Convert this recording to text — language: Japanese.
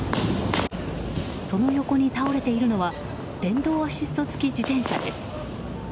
その横に倒れているのは電動アシスト付き自転車です。